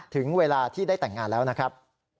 ถึงเวลาที่ได้แต่งงานแล้วนะครับ